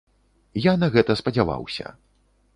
Я на гэта спадзяваўся.